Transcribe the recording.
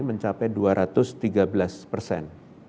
mencapai dua ratus tiga belas persen